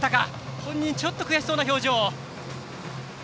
本人はちょっと悔しそうな表情。